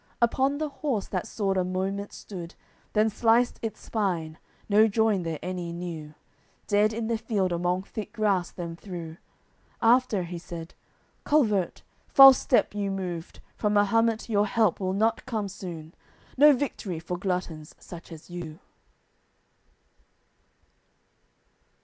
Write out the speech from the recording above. Upon the horse that sword a moment stood, Then sliced its spine, no join there any knew, Dead in the field among thick grass them threw. After he said "Culvert, false step you moved, From Mahumet your help will not come soon. No victory for gluttons such as you."